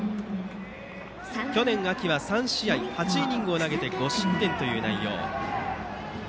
去年秋は３試合８イニングを投げて５失点という内容。